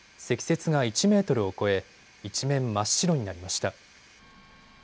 積雪が１メートルを超え一面、真っ白になりました。